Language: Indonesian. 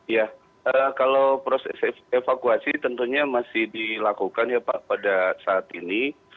ya kalau proses evakuasi tentunya masih dilakukan ya pak pada saat ini